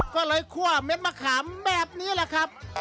ก็เลยคั่วเม็ดมะขามแบบนี้แหละครับ